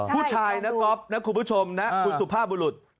ผู้ชายนะก๊อฟนะคุณผู้ชมนะคุณสุภาพบุรุษ